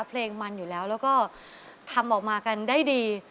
เพลงมันอยู่แล้วแล้วก็ทำออกมากันได้ดี